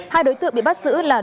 hai đối tượng bị bắt giữ là